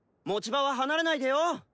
持ち場は離れないでよ。